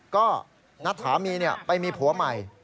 เพราะว่านัดถามีไปมีผัวใหม่